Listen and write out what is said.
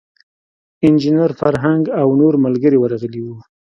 انجینیر فرهنګ او نور ملګري ورغلي وو.